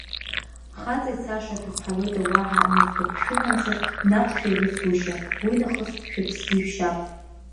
Хаҵа ицаша аҭыԥҳа лыда уаҳа аныҟәгатә дшәымамзар наҟ шәеилыҵгәышьа, уи нахыс шәыԥсгьы шәшьап!